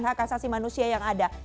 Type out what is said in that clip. hak asasi manusia yang ada